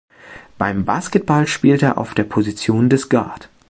Beim Basketball spielt er auf der Position des Guard.